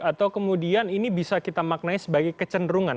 atau kemudian ini bisa kita maknanya sebagai kecenderungan